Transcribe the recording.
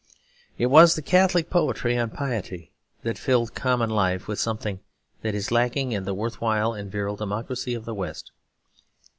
It was the Catholic poetry and piety that filled common life with something that is lacking in the worthy and virile democracy of the West.